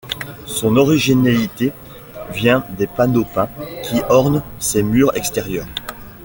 Son originalité vient des panneaux peints qui ornent ses murs extérieurs.